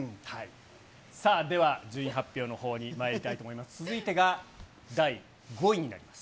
さあ、では順位発表のほうにまいりたいと思います。